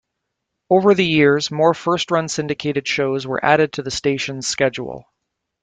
Over the years, more first-run syndicated shows were added to the station's schedule.